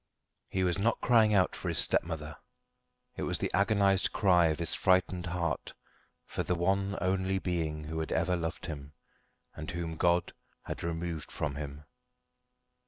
He was not crying out for his stepmother. It was the agonised cry of his frightened heart for the one only being who had ever loved him, and whom God had removed from him.